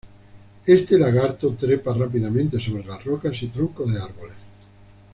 Este lagarto trepa rápidamente sobre las rocas y troncos de árboles.